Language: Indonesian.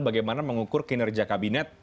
bagaimana mengukur kinerja kabinet